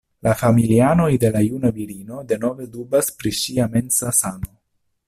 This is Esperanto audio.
La familianoj de la juna virino denove dubas pri ŝia mensa sano.